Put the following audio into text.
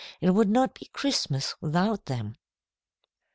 It would not be Christmas without them.